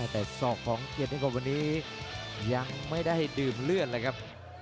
แต่ศอกของเกียรตินิคมวันนี้ยังไม่ได้ดื่มเลือดเลยครับ